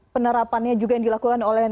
penerapannya juga yang dilakukan oleh